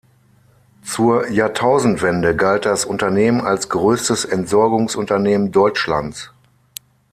Zur Jahrtausendwende galt das Unternehmen als größtes Entsorgungsunternehmen Deutschlands.